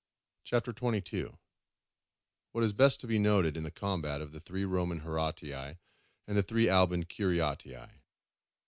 CHAPTER XXII.—What is to be noted in the combat of the three Roman Horatii and the three Alban Curiatii.